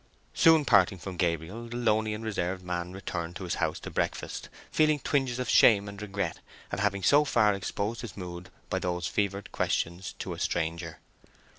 Soon parting from Gabriel, the lonely and reserved man returned to his house to breakfast—feeling twinges of shame and regret at having so far exposed his mood by those fevered questions to a stranger.